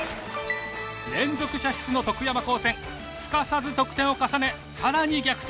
連続射出の徳山高専すかさず得点を重ね更に逆転！